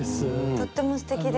とってもすてきです。